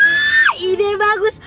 wah ide bagus